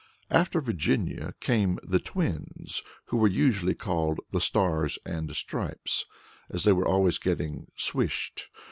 After Virginia came the twins, who were usually called "The Stars and Stripes," as they were always getting swished.